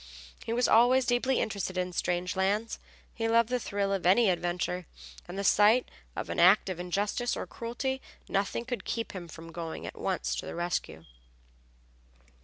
He was always deeply interested in strange lands; he loved the thrill of any adventure, and at the sight of an act of injustice or cruelty nothing could keep him from going at once to the rescue.